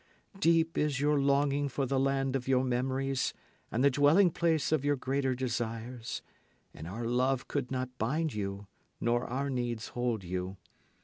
Deep is your longing for the land of your memories and the dwelling place of your greater desires; and our love would not bind you nor our needs hold you.